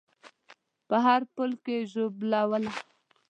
په هر پل کې ژوبلوله